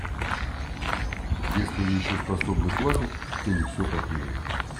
Если Вы еще способны плакать, то не все потеряно.